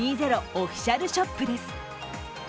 オフィシャルショップです。